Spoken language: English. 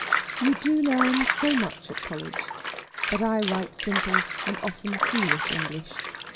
You do learn so much at college: but I write simple and often foolish English.